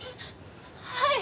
はい。